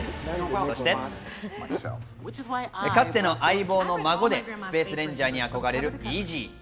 そして、かつての相棒の孫でスペース・レンジャーに憧れるイジー。